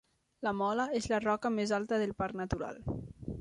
La Mola és la roca més alta del Parc Natural.